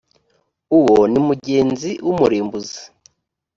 uwo ni mugenzi w’umurimbuzi